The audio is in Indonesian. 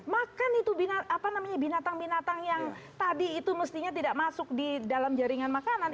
makan itu binatang binatang yang tadi itu mestinya tidak masuk di dalam jaringan makanan